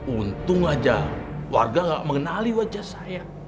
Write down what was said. untung aja warga gak mengenali wajah saya